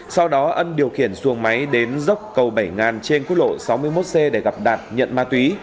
sau đó ân điều khiển xuồng máy đến dốc cầu bảy ngàn trên quốc lộ sáu mươi một c để gặp đạt nhận ma túy